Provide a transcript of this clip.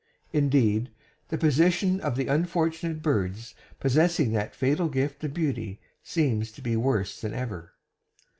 Indeed, the position of the unfortunate birds possessing the fatal gift of beauty seems to be worse than ever.